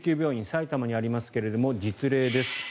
埼玉にありますが実例です。